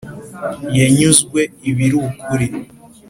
yanyuzwe ibiri ukuri